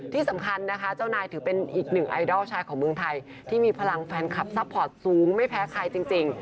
ที่สำคัญนะคะเจ้านายถือเป็นอีกหนึ่งไอดอลชายของเมืองไทยที่มีพลังแฟนคลับซัพพอร์ตสูงไม่แพ้ใครจริง